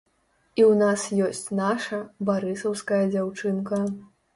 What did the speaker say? І ў нас ёсць наша, барысаўская дзяўчынка.